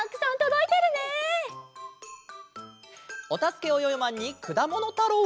「おたすけ！およよマン」に「くだものたろう」。